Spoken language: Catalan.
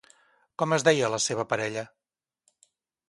Com es deia la seva parella?